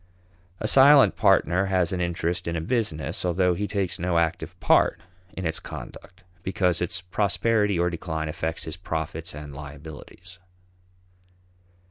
A silent partner has an interest in a business, although he takes no active part in its conduct because its prosperity or decline affects his profits and liabilities.